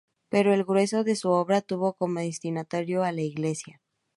Pero el grueso de su obra tuvo como destinatario a la iglesia.